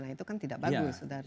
itu kan tidak bagus